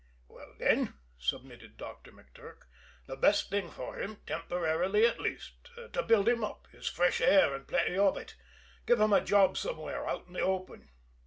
"Well then," submitted Doctor McTurk, "the best thing for him, temporarily at least, to build him up, is fresh air and plenty of it. Give him a job somewhere out in the open."